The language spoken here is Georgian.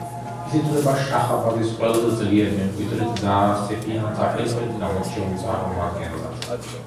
ის ითვლება შაჰ-აბასის ყველაზე ძლიერ მემკვიდრედ და სეფიანთა ერთ-ერთ გამორჩეულ წარმომადგენლად.